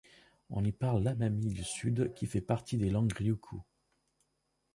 On y parle l'amami du Sud qui fait partie des langues ryukyu.